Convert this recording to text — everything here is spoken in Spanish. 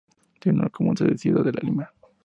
Tiene como sede la ciudad de Lima.